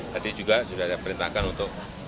tadi juga sudah saya perintahkan untuk